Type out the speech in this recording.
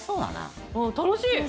楽しい！